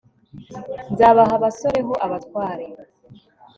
nzabaha abasore ho abatware